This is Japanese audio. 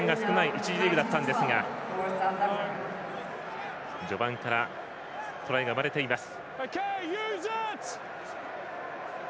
１次リーグだったんですが序盤からトライが生まれています。